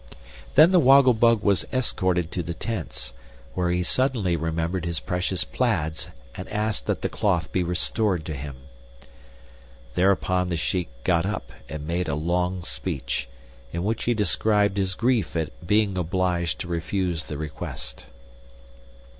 Then the Woggle Bug was escorted to the tents, where he suddenly remembered his precious plaids, and asked that the cloth he restored to him. Thereupon the Shiek got up and made a long speech, in which he described his grief at being obliged to refuse the request.